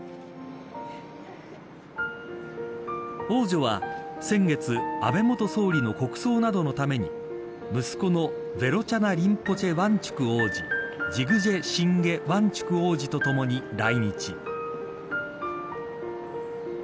王女は先月、安倍元総理の国葬などのために息子のヴェロチャナ・リンポチェ・ワンチュク王子ジグジェ・シンゲ・ワンチュク王子とともに来日。